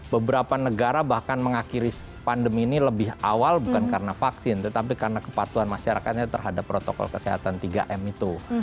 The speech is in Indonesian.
beberapa negara bahkan mengakhiri pandemi ini lebih awal bukan karena vaksin tetapi karena kepatuhan masyarakatnya terhadap protokol kesehatan tiga m itu